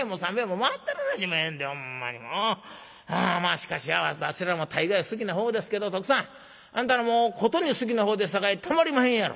しかし私らも大概好きな方ですけど徳さんあんたらもうことに好きな方ですさかいたまりまへんやろ？」。